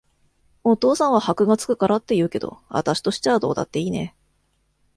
お父さんは箔が付くからって言うけど、あたしとしちゃどうだっていいね。